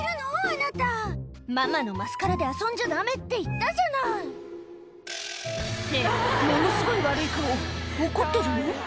あなた」「ママのマスカラで遊んじゃダメって言ったじゃない」ってものすごい悪い顔怒ってるの？